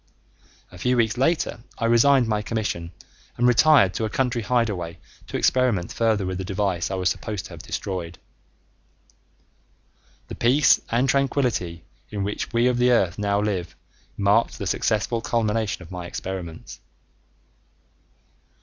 A few weeks later I resigned my commission and retired to a country hideaway to experiment further with the device I was supposed to have destroyed. The peace and tranquility in which we of the earth now live marked the successful culmination of my experiments.